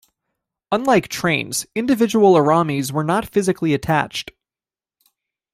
Unlike trains, individual Aramis were not physically attached.